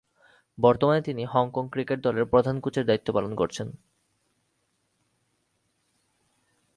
বর্তমানে তিনি Hong Kong cricket দলের প্রধান কোচের দায়িত্ব পালন করছেন।